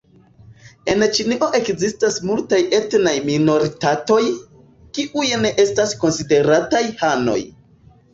En Ĉinio ekzistas multaj etnaj minoritatoj, kiuj ne estas konsiderataj hanoj.